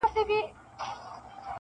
• خلک د ازادۍ مجسمې په اړه خبري کوي ډېر,